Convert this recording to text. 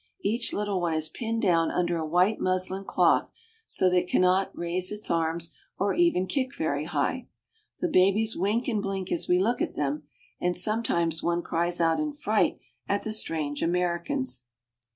Each little one is pinned down under a white muslin cloth so that it cannot raise its arms or even kick very high. The babies wink and blink as we look at them, and sometimes one cries out in fright at the strange Americans.